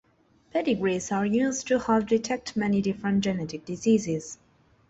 Pedigrees are used to help detect many different genetic diseases.